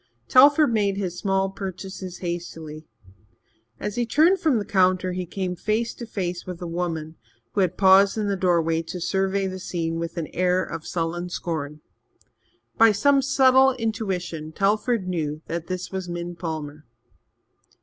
Telford made his small purchases hastily. As he turned from the counter, he came face to face with a woman who had paused in the doorway to survey the scene with an air of sullen scorn. By some subtle intuition Telford knew that this was Min Palmer.